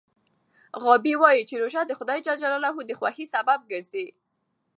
غابي وايي چې روژه د خدای د خوښۍ سبب ګرځي.